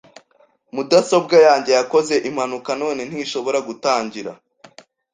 Mudasobwa yanjye yakoze impanuka none ntishobora gutangira.